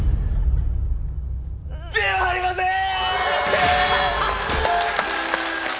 ではありません！